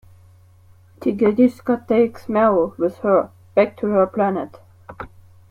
Tigerishka takes Miaow with her back to her planet.